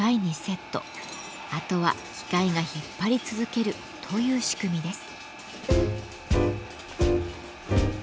あとは機械が引っ張り続けるという仕組みです。